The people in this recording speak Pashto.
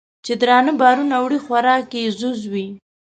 چې درانه بارونه وړي خوراک یې ځوځ وي